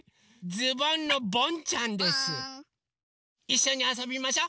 いっしょにあそびましょ。